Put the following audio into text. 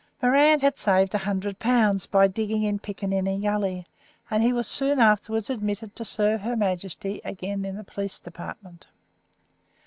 Moran had saved a hundred pounds by digging in Picaninny Gully, and he was soon afterwards admitted to serve Her Majesty again in the police department.